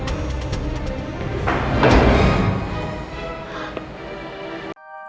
ketemu lagi di film